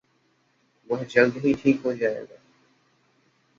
वह जल्द ही ठीक हो जाएगा।